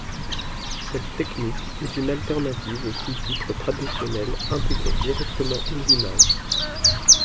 Cette technique est une alternative aux sous-titres traditionnels, intégrés directement aux images.